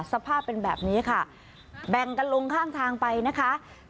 สภาพเป็นแบบนี้ค่ะแบ่งกันลงข้างทางไปนะคะ